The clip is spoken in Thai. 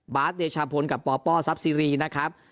เดชาพลกับปปซับซีรีนะครับ